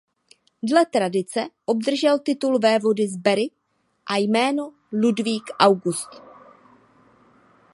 Dle tradice obdržel titul vévody z Berry a jméno "Ludvík August".